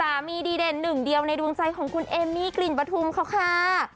ดีเด่นหนึ่งเดียวในดวงใจของคุณเอมมี่กลิ่นปฐุมเขาค่ะ